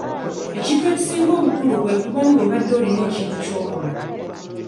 Ekintu ekisinga obukulu kwe kuba nga obadde olina ekintu ky'okolako.